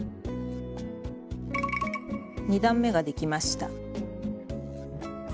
２段めができました。